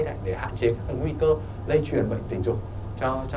để hạn chế các nguy cơ lây truyền bệnh tình dục